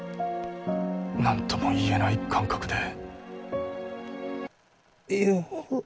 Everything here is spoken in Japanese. なんとも言えない感覚で。